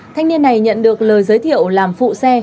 thanh niên này nhận được lời giới thiệu làm phụ xe